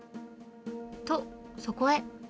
と、そこへ。